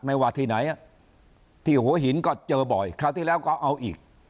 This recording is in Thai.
ไม่ว่าที่ไหนที่หัวหินก็เจอบ่อยคราวที่แล้วก็เอาอีก